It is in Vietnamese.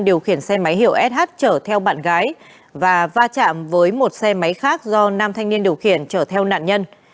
điều khiển xe máy hiệu sh chở theo bạn gái và va chạm với một xe máy khác do nam thanh niên điều khiển chở theo nạn nhân